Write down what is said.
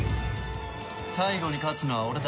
最後に勝つのは俺だ。